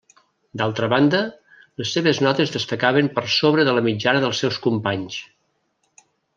D'altra banda, les seves notes destacaven per sobre de la mitjana dels seus companys.